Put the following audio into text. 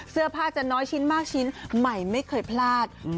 เสื้อผ้าจะน้อยชิ้นมากชิ้นใหม่ไม่เคยพลาด